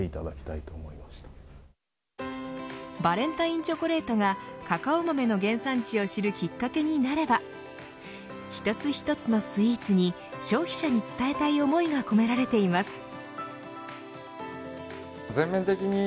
バレンタインチョコレートがカカオ豆の原産地を知るきっかけになればと一つ一つのスイーツに消費者に伝えたい思いが込められています。